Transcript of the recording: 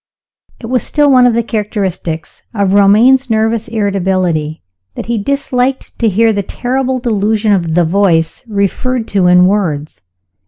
It was still one of the characteristics of Romayne's nervous irritability that he disliked to hear the terrible delusion of the Voice referred to in words.